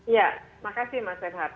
ya makasih mas renhardt